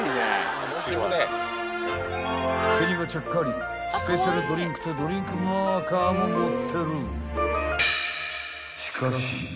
［手にはちゃっかりスペシャルドリンクとドリンクマーカーも持ってる］